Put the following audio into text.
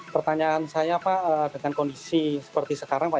pertanyaan saya pak dengan kondisi seperti sekarang pak